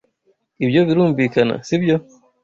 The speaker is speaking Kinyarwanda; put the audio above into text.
Ibyo birumvikana, sibyo?